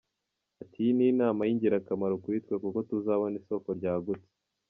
Ati “Iyi ni inama y’ingirakamaro kuri twe kuko tuzabona isoko ryagutse.